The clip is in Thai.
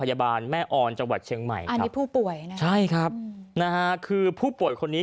แม่ออนจังหวัดเชียงใหม่อันนี้ผู้ป่วยนะใช่ครับนะฮะคือผู้ป่วยคนนี้